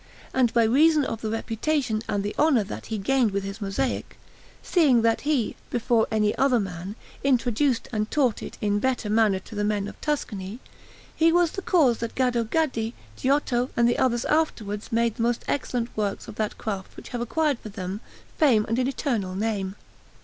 And by reason of the reputation and the honour that he gained with his mosaic, seeing that he, before any other man, introduced and taught it in better manner to the men of Tuscany, he was the cause that Gaddo Gaddi, Giotto, and the others afterwards made the most excellent works of that craft which have acquired for them fame and an eternal name.